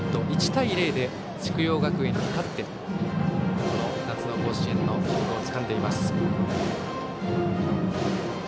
１対０で筑陽学園に勝って夏の甲子園の切符をつかんでいます。